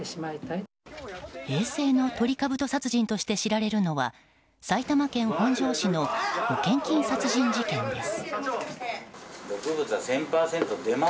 平成のトリカブト殺人として知られるのは埼玉県本庄市の保険金殺人事件です。